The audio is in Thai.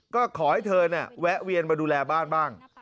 ก็ขอให้เธอแวะเวียนมาดูแลบ้านบ้าง